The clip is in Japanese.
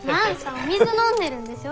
お水飲んでるんでしょ？